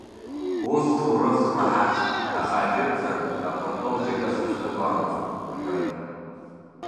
Ус ҭоурых смаҳацт, аха ажәытәӡан апырпыл џьыка рыздыруамызт, — рҳәоит…